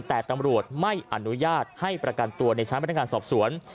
แต่ตำรวจไม่อนุญาตให้ประกันตัวในชั้นพนักงานสอบสวน